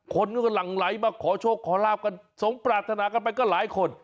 คนก็หลั่งไหลมาขอโชคขอลาบกันสมปรารถนากันไปก็หลายคน